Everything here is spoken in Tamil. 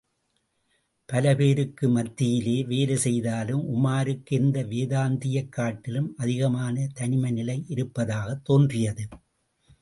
பலபேருக்கு மத்தியிலே வேலை செய்தாலும், உமாருக்கு எந்த வேதாந்தியைக் காட்டிலும் அதிகமான தனிமைநிலை இருப்பதாகத் தோன்றியது.